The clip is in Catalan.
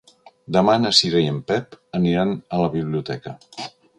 Demà na Cira i en Pep aniran a la biblioteca.